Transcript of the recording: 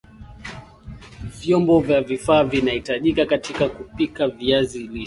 Vyombo vifaa vinavyahitajika katika kupika viazi lishe